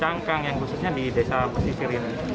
cangkang yang khususnya di desa pesisir ini